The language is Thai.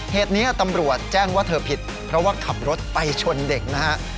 เหตุนี้ตำรวจแจ้งว่าเธอผิดเพราะว่าขับรถไปชนเด็กนะฮะ